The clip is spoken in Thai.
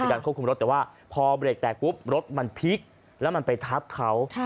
การควบคุมรถแต่ว่าพอเบรกแตกปุ๊บรถมันพลิกแล้วมันไปทับเขา